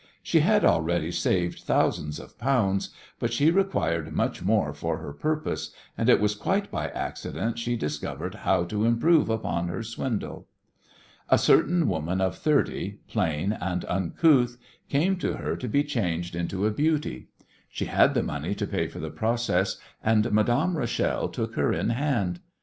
She had already saved thousands of pounds, but she required much more for her purpose, and it was quite by accident she discovered how to improve upon her swindle. A certain woman of thirty, plain and uncouth, came to her to be changed into a beauty. She had the money to pay for the process, and Madame Rachel took her in hand.